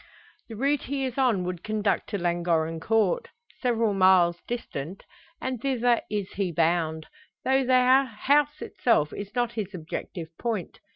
The route he is on would conduct to Llangorren Court several miles distant and thither is he bound; though the house itself is not his objective point.